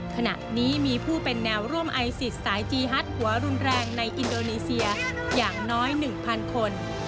ขณะนี้มีผู้เป็นแนวร่วมไอซิสสายจีฮัดหัวรุนแรงในอินโดนีเซียอย่างน้อย๑๐๐คน